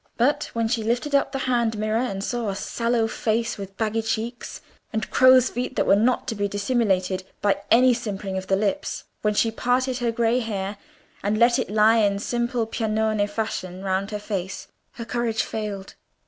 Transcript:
But when she lifted up the hand mirror and saw a sallow face with baggy cheeks, and crows' feet that were not to be dissimulated by any simpering of the lips—when she parted her grey hair, and let it lie in simple Piagnone fashion round her face, her courage failed.